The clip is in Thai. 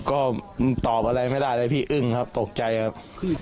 ก็ตอบอะไรไม่ได้เลยพี่อึ้งครับตกใจครับ